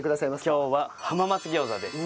今日は浜松餃子です。